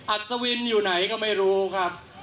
อัศวินอยู่ไหนก็ไม่รู้ครับ